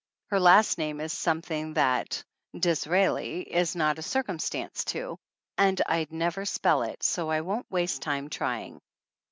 Her last name is something that Disraeli is not a circumstance to, and I'd never spell it, so I won't waste time try ing.